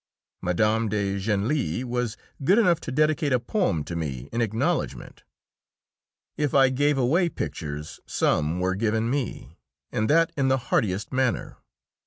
Mme. de Genlis was good enough to dedicate a poem to me in acknowledgment. If I gave away pictures, some were given me, and that in the heartiest manner.